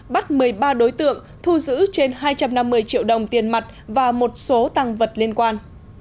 bắt một mươi ba đối tượng thu giữ trên hai trăm năm mươi triệu đồng tiền mặt và một số tăng vật liên quan